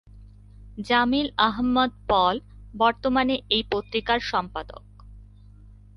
জামিল আহমদ পল বর্তমানে এই পত্রিকার সম্পাদক।